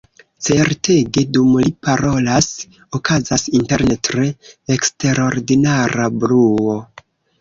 Certege, dum li parolas, okazas interne tre eksterordinara bruo.